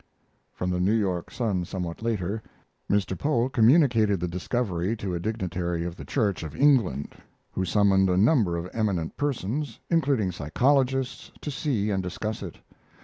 [From the New York Sun somewhat later: "Mr. Pole communicated the discovery to a dignitary of the Church of England, who summoned a number of eminent persons, including psychologists, to see and discuss it.